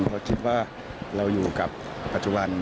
เพราะคิดว่าเราอยู่กับปัจจุบัน